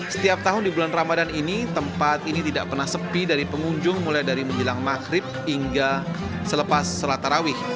setiap tahun di bulan ramadan ini tempat ini tidak pernah sepi dari pengunjung mulai dari menjelang maghrib hingga selepas sholat tarawih